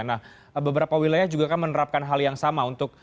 nah beberapa wilayah juga kan menerapkan hal yang sama untuk